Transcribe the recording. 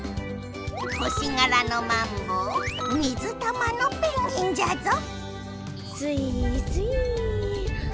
星がらのマンボウ水玉のペンギンじゃぞスイースイー。